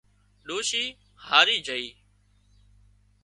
ڏوشِي هاري جھئي